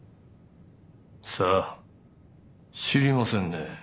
さあ知りませんね。